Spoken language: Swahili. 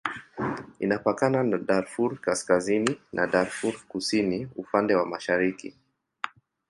Inapakana na Darfur Kaskazini na Darfur Kusini upande wa mashariki.